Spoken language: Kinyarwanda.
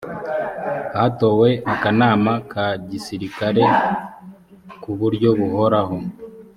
hatowe akanama ka gisirikare ku buryo buhoraho